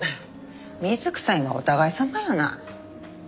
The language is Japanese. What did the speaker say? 水くさいのはお互いさまやない。